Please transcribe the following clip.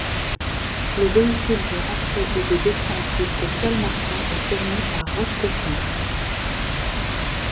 Le véhicule de rentrée et de descente jusqu'au sol martien est fourni par Roscosmos.